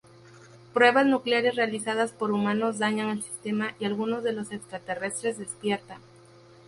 Pruebas nucleares realizadas por humanos dañan el sistema y algunos de los extraterrestres despiertan.